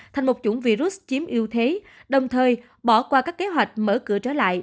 thành một chủng virus chiếm ưu thế đồng thời bỏ qua các kế hoạch mở cửa trở lại